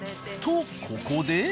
とここで。